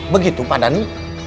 begitu pak dhani